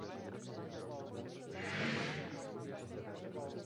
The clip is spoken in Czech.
Mimo to působil jako předseda Okresního výboru Československé strany lidové.